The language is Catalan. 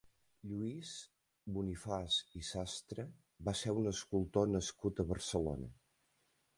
Lluís Bonifaç i Sastre va ser un escultor nascut a Barcelona.